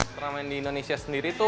pernah main di indonesia sendiri itu